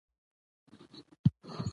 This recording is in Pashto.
مېلې د کورنۍ غړي سره نږدې کوي.